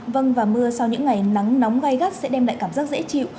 vâng và mưa sau những ngày nắng nóng gai gắt sẽ đem lại cảm giác dễ chịu